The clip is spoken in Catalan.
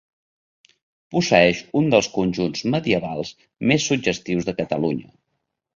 Posseeix un dels conjunts medievals més suggestius de Catalunya.